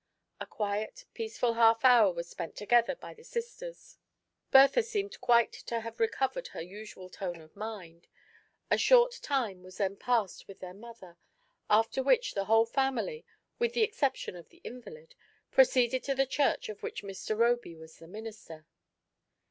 A quiet, peaceful half hour was spent tt^ther by the sisters. Bertlia seemed quite to have recovered her usual tone of mind. A abort time was tlien passed with their mother ; after Wllicb the whole luaamBng. family, with the exception of the invalid, proceeded to the church of which Mr. Roby was the minister.